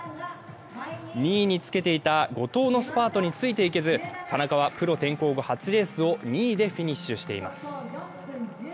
２位につけていた後藤のスパートについていけず、田中はプロ転向後初レースを２位でフィニッシュしています。